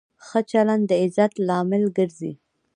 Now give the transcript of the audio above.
ښه چلند د عزت لامل ګرځي.